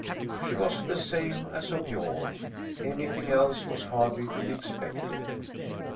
She was the same as of yore. Anything else was hardly to be expected.